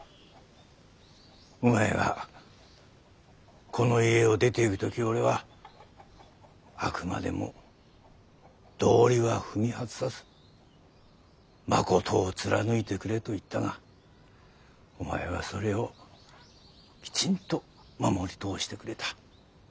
お前がこの家を出ていく時俺は「あくまでも道理は踏み外さずまことを貫いてくれ」と言ったがお前はそれをきちんと守り通してくれた。